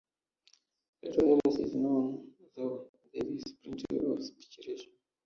Little else is known, though there is plenty of speculation.